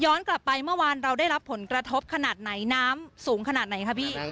กลับไปเมื่อวานเราได้รับผลกระทบขนาดไหนน้ำสูงขนาดไหนคะพี่